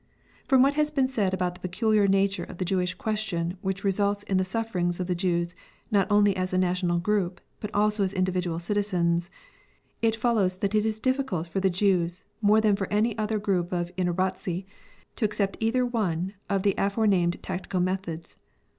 From what has been said about the peculiar nature of the Jewish question which results in the sufferings of the Jews not only as a national group, but also as individual citizens, it follows that it is difficult for the Jews more than for any other group of "inorodtzy" to accept either one of the aforenamed tactical methods.